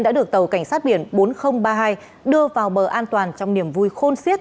đã được tàu cảnh sát biển bốn nghìn ba mươi hai đưa vào bờ an toàn trong niềm vui khôn siết